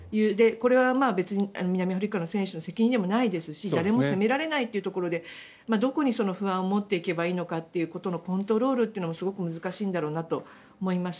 これは別に南アフリカの選手の責任でもないですし誰も責められないというところでどこに不安を持っていけばいいのかということのコントロールもすごく難しいんだろうなと思います。